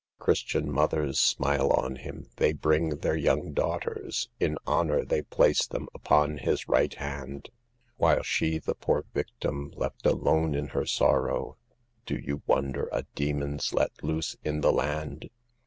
Christian mothers smile on him,— they bring their young daughters ; In honor they place them upon his right hand, While she, the poor victim, left alone in her sorrow,— Do you wonder a demon's let loose in the land